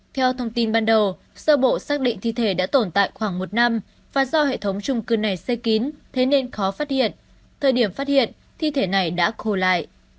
theo thông tin ban đầu sơ bộ xác định thi thể đã tồn tại khoảng một năm và do hệ thống trung cư này xây kín thế nên khó phát hiện thời điểm phát hiện thi thể này đã khô lại